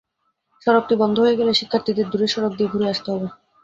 সড়কটি বন্ধ হয়ে গেলে শিক্ষার্থীদের দূরের সড়ক দিয়ে ঘুরে আসতে হবে।